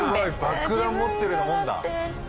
爆弾持ってるようなもんだ。